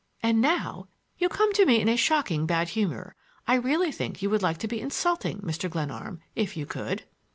And now you come to me in a shocking bad humor,—I really think you would like to be insulting, Mr. Glenarm, if you could."